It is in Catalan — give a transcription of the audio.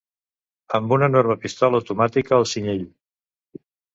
Amb una enorme pistola automàtica al cinyell